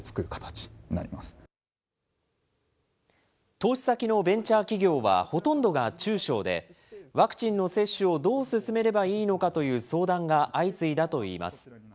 投資先のベンチャー企業はほとんどが中小で、ワクチンの接種をどう進めればいいのかという相談が相次いだといいます。